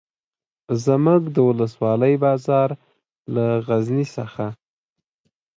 زموږ د ولسوالۍ بازار له غزني څخه.